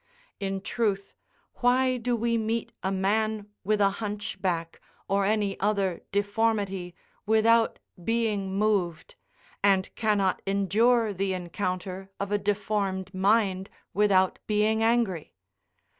In truth, why do we meet a man with a hunch back, or any other deformity, without being moved, and cannot endure the encounter of a deformed mind without being angry?